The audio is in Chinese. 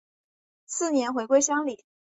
次年回归乡里。